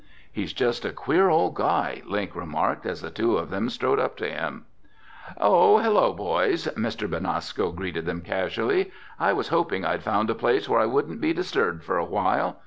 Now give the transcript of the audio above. "He's just a queer old guy," Link remarked as the two of them strode up to him. "Oh, hello, boys," Mr. Benasco greeted them casually. "I was hoping I'd found a place where I wouldn't be disturbed for awhile.